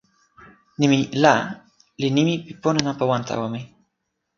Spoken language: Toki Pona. nimi "la" li nimi pi pona nanpa wan tawa mi.